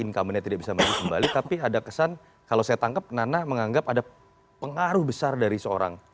income nya tidak bisa maju kembali tapi ada kesan kalau saya tangkap nana menganggap ada pengaruh besar dari seorang